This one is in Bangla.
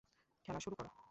খেল শুরু করো।